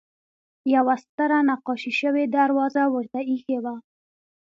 یوه ستره نقاشي شوې دروازه ورته اېښې وه.